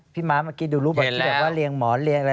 พี่ม้าเมื่อกี้ดูรูปแบบเรียงหมอนเรียงอะไร